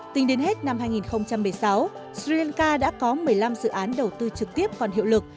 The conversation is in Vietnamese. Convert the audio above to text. tính đến hết năm hai nghìn một mươi sáu sri lanka đã có một mươi năm dự án đầu tư trực tiếp còn hiệu lực